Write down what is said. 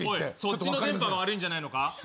そっちの電波が悪いんじゃないのか？